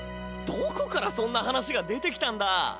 どこからそんな話が出てきたんだ？